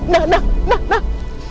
nah nah nah nah